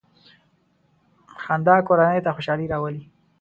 • خندا کورنۍ ته خوشحالي راولي.